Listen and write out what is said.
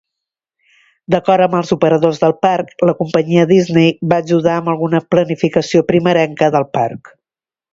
D'acord amb els operadors del parc, la companyia Disney va ajudar amb alguna planificació primerenca del parc.